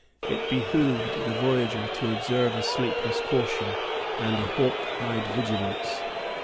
It behooved the voyager to observe a sleepless caution and a hawk eyed vigilance.